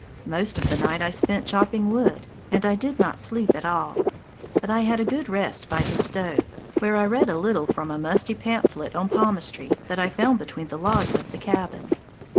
Most of the night I spent chopping wood, and I did not sleep at all. But I had a good rest by the stove, where I read a little from a musty pamphlet on palmistry that I found between the logs of the cabin.